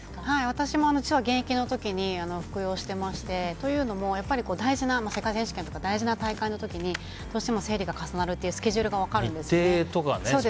私も実は現役の時に服用してましてというのも、世界選手権とか大事な大会の時にどうしても生理が重なるというスケジュールが分かるんです。